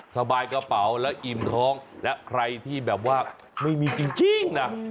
สบายกระเป๋าและอิ่มท้องและใครที่แบบว่าไม่มีจริงนะ